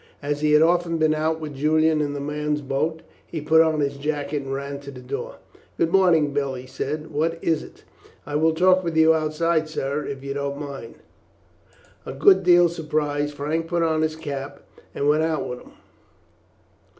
As he had often been out with Julian in the man's boat, he put on his jacket and ran to the door. "Good morning, Bill!" he said; "what is it?" "I will talk with you outside, sir, if you don't mind." A good deal surprised Frank put on his cap and went out with him.